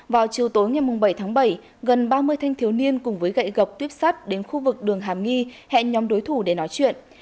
vào chiều tối ngày bảy tháng bảy gần ba mươi thanh thiếu niên cùng với gậy gọc tuyếp sắt đến khu vực đường hàm nghi hẹn nhóm đối thủ để nói chuyện